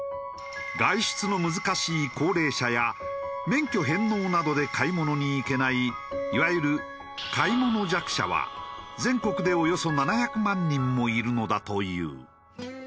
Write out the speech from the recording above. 外出の難しい高齢者や免許返納などで買い物に行けないいわゆる買い物弱者は全国でおよそ７００万人もいるのだという。